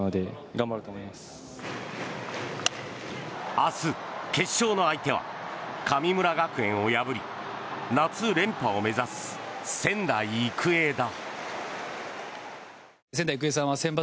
明日、決勝の相手は神村学園を破り夏連覇を目指す仙台育英だ。